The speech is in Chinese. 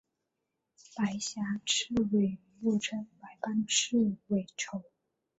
白颊刺尾鱼又称白斑刺尾鲷。